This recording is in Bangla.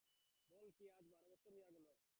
বল কী, আজ বারো বৎসর হইয়া গেল।